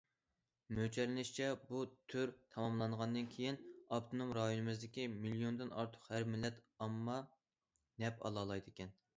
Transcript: مۆلچەرلىنىشىچە، بۇ تۈر تاماملانغاندىن كېيىن، ئاپتونوم رايونىمىزدىكى مىليوندىن ئارتۇق ھەر مىللەت ئامما نەپ ئالالايدىكەن.